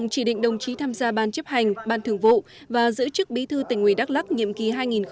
chỉ tham gia ban chấp hành ban thường vụ và giữ chức bí thư tỉnh ủy đắk lắc nhiệm kỳ hai nghìn một mươi năm hai nghìn hai mươi